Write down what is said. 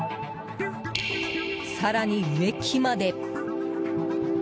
更に、植木まで。